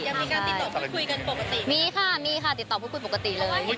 ยังมีการติดต่อพูดคุยกันปกติมีค่ะมีค่ะติดต่อพูดคุยปกติเลย